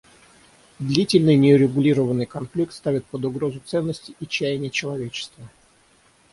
Длительный, неурегулированный конфликт ставит под угрозу ценности и чаяния человечества.